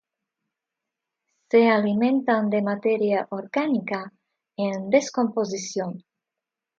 Se alimentan de materia orgánica en descomposición.